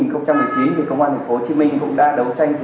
công an tp hcm cũng đã đấu tranh